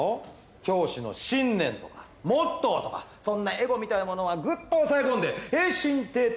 教師の信念とかモットーとかそんなエゴみたいなものはぐっと抑え込んで平身低頭